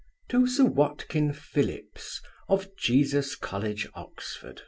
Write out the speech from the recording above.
To Sir WATKIN PHILLIPS, of Jesus college, Oxon.